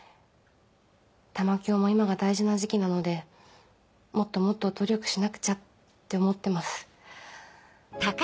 玉響も今が大事な時期なのでもっともっと努力しなくちゃって思ってます。